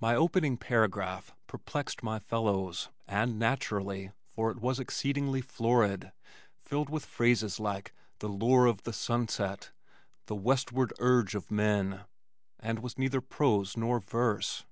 My opening paragraph perplexed my fellows, and naturally, for it was exceedingly florid, filled with phrases like "the lure of the sunset," "the westward urge of men," and was neither prose nor verse.